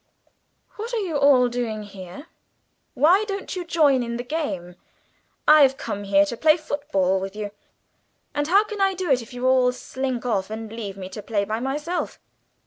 "What are you all doing here? Why don't you join the game? I've come here to play football with you, and how can I do it if you all slink off and leave me to play by myself?"